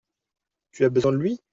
Tu as besoin de lui ?